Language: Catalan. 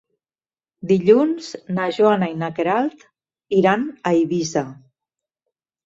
Dilluns na Joana i na Queralt iran a Eivissa.